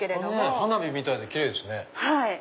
花火みたいで奇麗ですね。